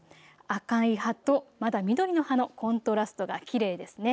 赤い葉とまだ緑の葉のコントラストがきれいですよね。